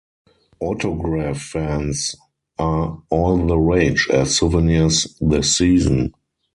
Autograph fans are all the rage as souvenirs this season.